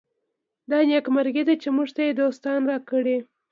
دا نېکمرغي ده چې موږ ته یې دوستان راکړي.